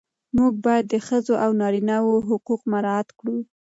موږ باید د ښځو او نارینه وو حقوق مراعات کړو.